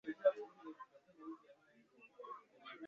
kope za macho kulegeaNini madhara ya matumizi ya muda mrefu ya heroin